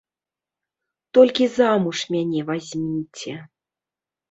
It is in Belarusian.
Толькі замуж мяне вазьміце.